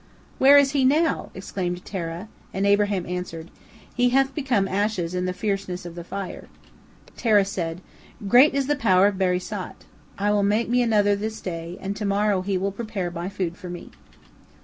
"Where is he now?" exclaimed Terah, and Abraham answered, "He hath become ashes in the fierceness of the fire." Terah said, "Great is the power of Barisat! I will make me another this day, and to morrow he will prepare my food for me."